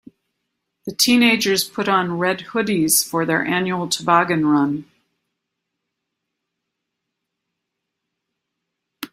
The teenagers put on red hoodies for their annual toboggan run.